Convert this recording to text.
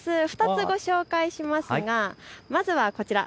２つご紹介しますがまずはこちら。